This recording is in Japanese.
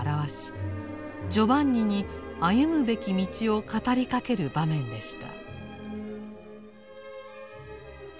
ジョバンニに歩むべき道を語りかける場面でした。